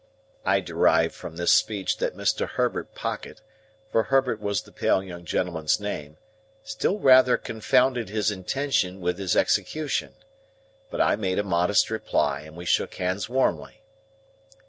I derived from this speech that Mr. Herbert Pocket (for Herbert was the pale young gentleman's name) still rather confounded his intention with his execution. But I made a modest reply, and we shook hands warmly.